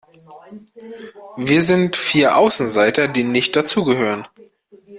Wir sind vier Außenseiter, die nicht dazu gehören